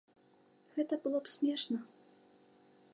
Гэта было б смешна.